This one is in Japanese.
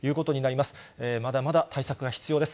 まだまだ対策が必要です。